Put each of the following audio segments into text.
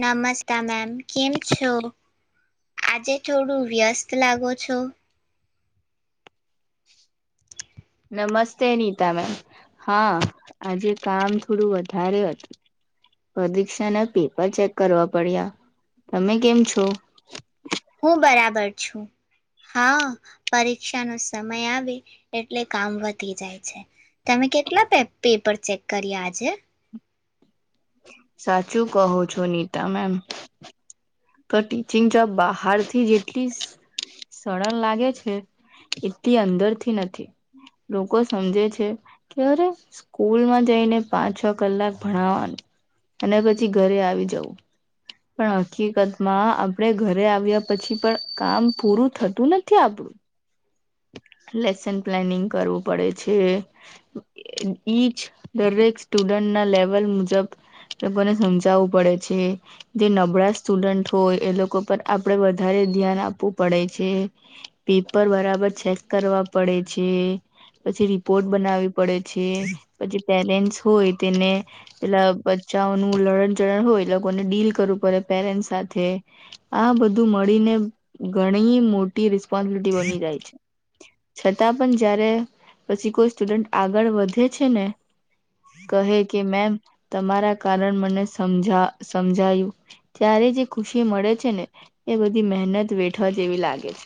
નમસ્તા ma'am કેમ છો? આજે થોડું વ્યસ્ત લાગો છો? [inaudible] નમસ્તે નીતા મેમ. હા આજે કામ થોડું વધારે હતું. પરીક્ષા ના પેપર ચેક કરવા પડ્યા. તમે કેમ છો? હું બરાબર છું. હા, પરીક્ષાનો સમય આવે એટલે કામ વધી જાય છે. તમે કેટલા પે-પેપર ચેક કરીએ આજે? સાચું કહો છો નીતા મેમ. તો ટીચિંગ જોબ બહારથી જેટલી સરળ લાગે છે એટલી અંદરથી નથી. લોકો સમજે છે કે અરે સ્કૂલમાં જઈને પાંચ છ કલાક ભણવાનું અને પછી ઘરે આવી જવું પણ હકીકત માં આપણે ઘરે આવ્યા પછી પણ કામ પૂરું થતું નથી આપણું. લેસન પ્લાનિંગ કરવું પડે છે ઈચ દરેક સ્ટુડન્ટના લેવલ મુજબ લોકોને સમજાવવું પડે છે જે નબળા સ્ટુડન્ટ હોય એ લોકો પર આપડે વધારે ધ્યાન આપવું પડે છે પેપર બરાબર ચેક કરવા પડે છે પછી રિપોર્ટ બનાવી પડે છે પછી પેરેન્ટ્સ હોય તેને પેલા બચ્ચાઓનુંું લળણ ચડણ હોય એ લોકોને ડીલ કરવું પડે પેરેન્ટ્ સાથે આ બધું મળીને ઘણી મોટી રિસ્પોન્સબિલિટી બની જાય છે છતાં પણ જ્યારે પછી કોઈ સ્ટુડન્ટ આગળ વધે છે ને કહે કે મેમ તમારા કારણ મને સમજા સમજાયું ત્યારે જે ખુશી મળે છે ને એ બધી મહેનત વેઠવા જેવી લાગે છે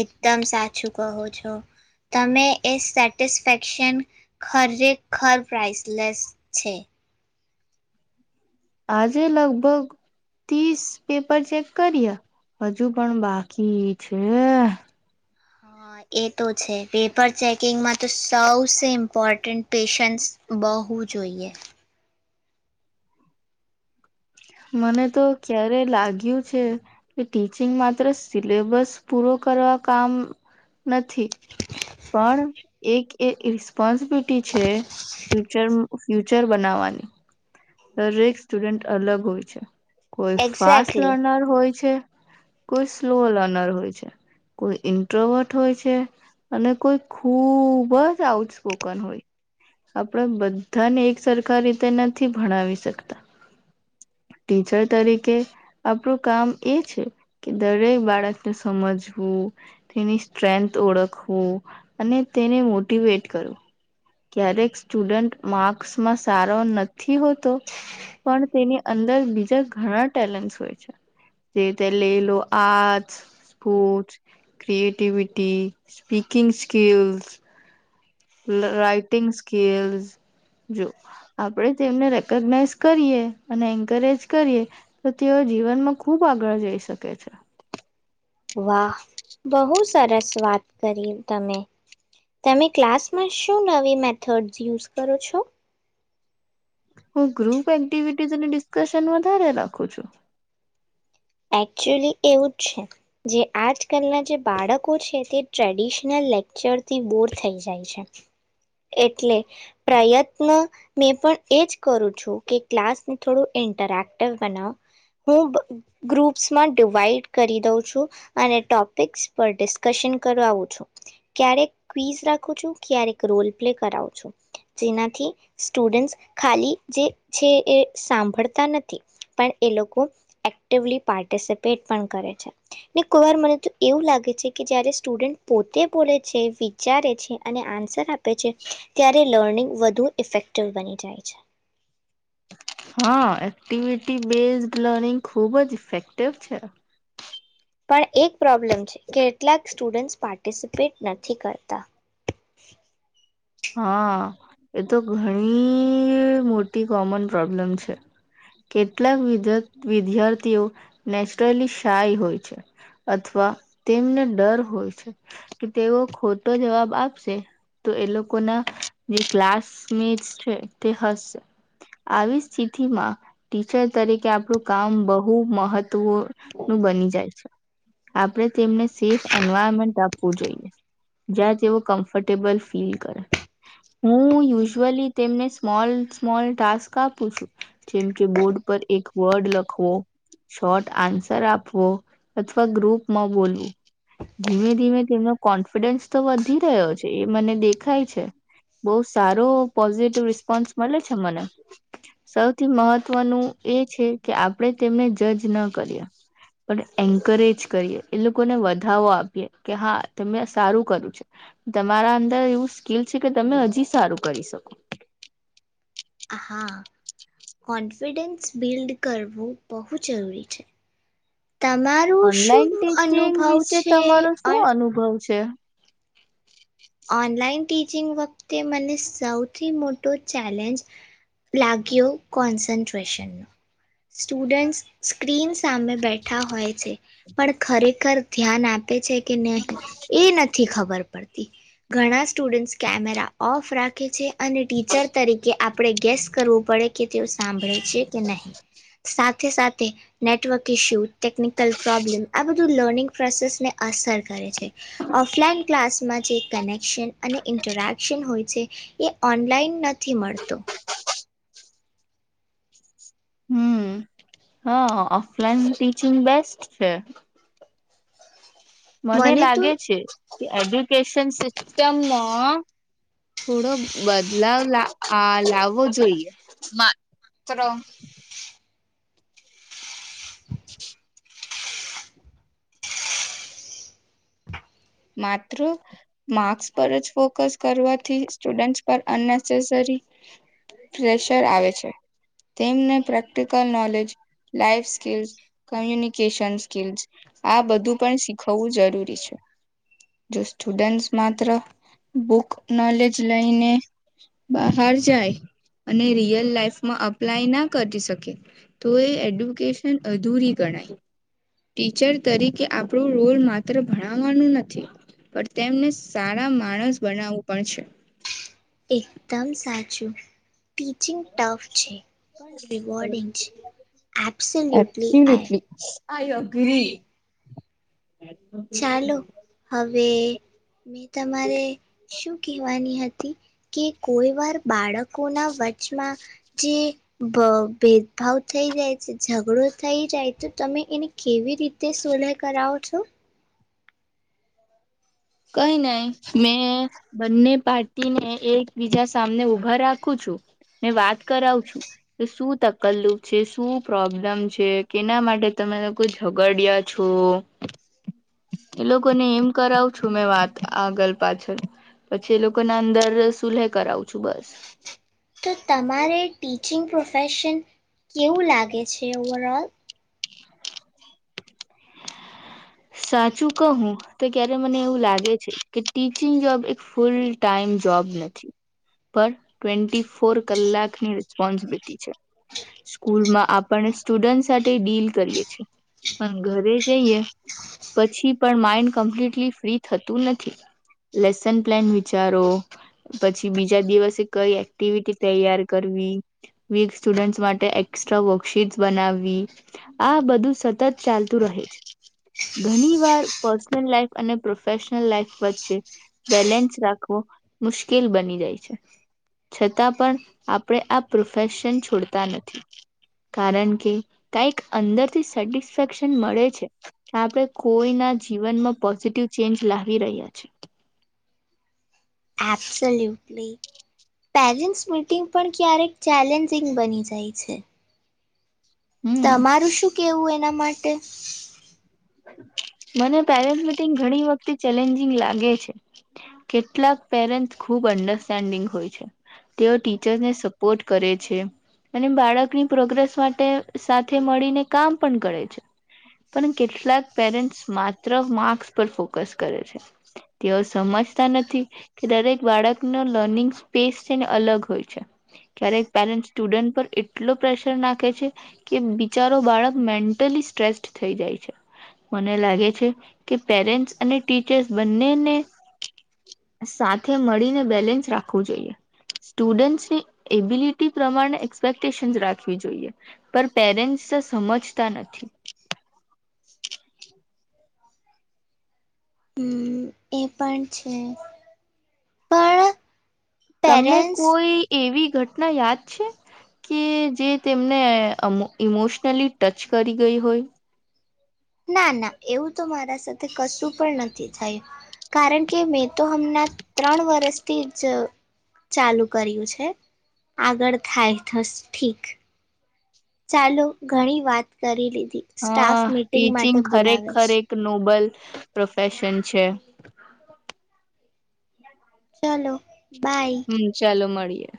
એકદમ સાચું કહો છો તમે એ સેટિસ્ફેક્શન ખરેખર પ્રાઇઝલેસ છે આજે લગભગ ત્રીસ પેપર ચેક કર્યા હજુ પણ બાકી છે હા એ તો છે પેપર ચેકિંગમાં તો સૌસે ઇમ્પોર્ટન્ટ પેશન્ટ બહુ જોઈએ મને તો ક્યારે લાગ્યું છે કે ટીચિંગ માત્ર સિલેબસ પૂરો કરવા કામ નથી પણ એક એ રિસ્પોન્સિબિલિટી છે ફુચર ફ્યુચર બનાવવાની દરેક સ્ટુડન્ટ અલગ હોય છે કોઈ ફાસ્ટ એક્ઝેક્ટલી લર્નર હોય છે કોઈ સ્લો લર્નર હોય છે કોઈ ઇન્ટ્રોવર્ટ હોય છે અને કોઈ ખૂબ જ આઉટ સ્પોકન હોય આપણે બધાને એક સરખા રીતે નથી ભણાવી શકતા ટીચર તરીકે આપણું કામ એ છે કે દરેક બાળકને સમજવું તેની સ્ટ્રેન્થ ઓળખવું હો અને તેને મોટીવેટ કરું ક્યારેક સ્ટુડન્ટ માર્ક્સમાં સારો નથી હોતો પણ તેની અંદર બીજા ઘણા ટેલેન્ટ હોય છે જે તે લે લો art spot creativity speaking skills writing skills જો આપણે તેમને રેકોગનાઈઝ કરીએ અને એન્કરેજ કરીએ તો તેઓ જીવનમાં ખૂબ આગળ જઈ શકે છે વાહ બહુ સરસ વાત કરી તમે તમે ક્લાસમાં શું નવી મેથડ યુઝ કરો છો હું ગ્રુપ એક્ટિવિટીસ અને ડિસ્કશન વધારે રાખું છું એકચુલી એવું જ છે જે આજ કલના જે બાળકો છે તે ટ્રેડિશનલ લેક્ચરથી બોર થઈ જાય છે એટલે પ્રયત્ન મેં પણ એજ કરું છું કે ક્લાસને થોડું ઇન્ટરેક્ટિવ બનાવ હું ગ્રુપ્સમાં ડિવાઈડ કરી દઉં છું અને ટોપિક્સ પર ડિસ્કશન કરાવું છું ક્યારેક ક્વીઝ રાખું છું ક્યારેક રોલ પ્લે કરાવું છું જેનાથી સ્ટુડન્ટ્સ ખાલી જે છે એ સાંભળતા નથી પણ એ લોકો એક પાર્ટિસપેટ પણ કરે છે ને કોઈ વાર મને તો એવું લાગે છે કે જારે સ્ટુડન્ટ પોતે બોલે છે વિચારે છે અને આન્સર આપે આપે છે ત્યારે લર્નિંગ વધુ ઇફેક્ટિવ બની જાય છે હા એક્ટિવિટી બેઝ લર્નિંગ ખુબ જ ઇફેક્ટિવ છે પણ એક પ્રોબ્લેમ છે કે કેટલાક સ્ટુડન્ટ્સ પાર્ટિસિપેટ નથી કરતા હા એ તો ઘણી મોટી કોમન પ્રોબ્લેમ છે કેટલાક વિદ્યાર્થીઓ નેચરલી શાય હોય છે અથવા તેમને ડર હોય છે કે તેઓ ખોટો જવાબ આપશે તો એ લોકો જે ક્લાસમેટ છે તે હશે આવી સ્થિતિમાં ટીચર તરીકે આપણું કામ બહુ મહત્વ નું બની જાય છે આપણે તેમને સેફ એન્વાયરમેન્ટ આપવું જોઈએ જ્યાં તેઓ કમ્ફર્ટેબલ ફીલ કરે હું યુઝઅલી તેમને સ્મોલ સ્મોલ ટાસ્ક આપું છું જેમ કે બોર્ડ પર એક વર્ડ લખવો શોર્ટ આન્સર આપવો અથવા ગ્રુપમાં બોલવો ધીમે ધીમે તેમનો કોન્ફિડન્સ તો વધી રહ્યો છે એ મને દેખાય બહ સારો પોઝિટિવ રિસ્પોન્સ મળે છે મને સૌથી મહત્વનું એ છે કે આપણેે તેમને જજ ન કરીએ પણ એન્કરેજ કરીએ એ લોકોને વધાવો આપીએ કે હા તમે સારું કરું છે તમારા અંદર એવું કીલ છે કે તમે હજી સારું કરી શકો હા કોન્ફિડન્સ બિલ્ડ કરવું બહુ જરૂરી છે તમારો શું ઓનલાઈન ટીચિંગ અનુભવ વિશે છે તમારો શું અન અનુભવ છે ઓનલાઈન ટી ચિંગ વખતે મને સૌથી મોટો ચેલેન્જ લાગ્યો કોન્સન્ટ્રેશનનો સ્ટુડન્ટ સ્ક્રીન્સ સામે બેઠા હોય છે પણ ખરેખર ધ્યાન આપે છે કે ન એ નથી ખબર ખબર પડતી ઘણા સ્ટુડેન્ટસ કેમેરા ઓફ રાખ કે જે અને ટીચર તરીકે આપ આપણે ગેસ કરવું પડે કે તેઓ સાંભળે છે કે નહી સાથે સાથે નેટવર્ક ઇશ્યુ ટેકનિકલ પ્રોબ્લેમ આ બધું લર્નિંગ પ્રોસેસને અસર છે ઓફલાઈન ક્લાસમાં જ અને અને ઇન્ટરેક્શન હોય એ ઓનલાઈન નથી મળતો હમ હા ઓફલાઈન ટીચિંગ બેસ્ટ છે મને લાગે છે એડ્યુકેશન સિ ચમાં થોડો બદલાવ લ આ લાવવો જોઈએ [inaudible] માત્ર માર્ક્સ પર જ ફોકસ કરવાથી સ્ટુડન્ટસ પર અનનેસેસરી પ્રેશર આવે છે તેમને practical knowledge life skills communication skills આ બધું પણ શીખવવું જરૂરી છે જો સ્ટુડેન્ટ્સ માત્ર બુક નોલેજ લઈને બહાર જાય અને રિયલ લાઈફમાં અપ્લાય ના કરી શકે તો એ એડ્યુકેશન અધૂરી ગણાય ટીચર તરીકે આપણું રોલ માત્ર ભણાવવાનું નથી પણ તેમને સારા માણસ બનાવવું પણ છે દમ સાચું ટીચિંગ ટફ છે પણ રિવોર્ડિંગ છે એબ્સલ્યુટલી આ એબ્સોલ્યુટલી આઈ અગ્રી ચાલો હવે મે તમારે શું કહેવાની હતી કે કોઈ વાર બાળકો ના વ છમાં જી ભેદભાવ થઈ જાય છે, ઝઘડો થઈ જાય તો તમે એને કેવી રીતે સોલા કરાવો છો? કઈ નહી મેં બંને પાર્ટીને એકબીજા સામને ઉઊભા રાખું છું. ને વાત કરાવ છું કે શું તકલુફ છે, શું પ્રોબ્લમ છે કેના માટે તમે કોઈ ઝગડ્યા છો? એ લોકોને એમ કરાવ છું મેં વાત આગળ પાછળ પછી એ લોકોને અંદર સુલેહ કરાવું છું. બસ તો તમારે ટીચિંગ પ્રોફેશન કેવું લાગે છે ઓવરઓલ? સાચું કહું તો ક્યારે મને એવું લાગે છે, કે ટીચિંગ જોબ એક ફૂલ ટાઈમ જોબ નથી પણ ટ્વેન્ટી ફોર કલાકની રિસ્પોન્સિબિલિટી છે. સ્કૂલમાં આપને સ્ટુડન્ટ સાથે ડીલ કરીએ છીએ. ઘરે જઈએ પછી પણ માઈન્ડ કમ્પ્લીટલી ફ્રી થતું નથી. લેસન પ્લાન વિચારો પછી બીજા દિવસે કઈ એક્ટિવિટી તૈયાર કરવી વીક સ્ટુડન્ટસ માટે એકસ્ટ્રા વર્કશીટ બનાવવી આ બધું સતત ચાલતું છે. ઘણી વાર પર્સનલ લાાઈફ અને પ્રોફેશનલ લાઈફ વચ્ચે બેલેન્સ રાખવો મુશ્કેલ બની જાય છે. છતાં પણ આપણે આ પ્રોફેશન છોડતા નથી કારણ કે કઈક અંદરથી સેટિસ સેટિસફેક્શન મળે છે. આપણે કોઈના જીવનમાં પોઝિટિવ ચેન્જ લાવી રહ્યા છે. આપસોલ્યુટલી પેરેન્ટ્સ મીટિંગ પણ ક્યારેક ચેલેન્જિંગ બની જાય છે હમ તમારું શું કેવું એ એના માટે મને પેરેન્ટ્સ મીટિંગ ઘણી વખતે ચેલેન્જિંગ લાગે છે, કેટલાક પેરેન્ટ્સ ખુબ અન્ડરસ્ટેન્ડિંગ હોય છે, તેઓ ટીચર્સને સપોર્ટ કરે છે, અને બાળકની પ્રોગ્રેસ માટે સાથે મળીને કામ પણ કરે છે પણ કેટલાક પેરેન્ટ્સ માત્ર માર્ક્સ પર ફોકસ કરે છે, તેઓ સમજતા નથી કે દરેક બાળકનો લર્નિંગ સ્પેસ છેને અલગ હોય છે, ક્યારેક પેરેન્ટસ સ્ટુડન્ટ પર એટલો પ્રેશર નાખે છે કે બિચારો બાળક મેન્ટલી સ્ટ્રેસ્ટ થઈ જાય છે મને લાગે છે, કે પેરેન્ટ્સ અને ટીચર્સ બંનેને સાથે મળીને બેલેન્સ રાખવું જોઈએ સ્ટુડન્ટસની એબિલિટી પ્રમાણે એક્સપેક્ટેશનસ રાખવી જોઈએ, પણ પેરેન્ટ્સ સમજતા નથી [unintelligible] હમ એ પણ છે પણ તમને પેરેન્ટ્સ કોઈ એવી ઘટના યાદ છે કે જે તેમને ઇમોશનલી ટચ કરી ગઈ હોય ના ના એવું તો મારા સાથે કશું પણ નથી થયું કારણ કે મેં તો હમણાં ત્રણ વર્સથી જ ચાલુ કર્યું છે આગળ થાય થસ ઠીક ચાલો ઘણી વાત કરી લીધી હ, સ્ટાફ મીટિંગ માટે ટીચિંગ બોલાવે છે ખરેખરે એક નોબલ પ્રોફેશન છે ચાલો હમ, ચાલો મળીએ [unintelligible]